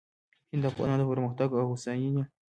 هند د افغانانو د پرمختګ او هوساینې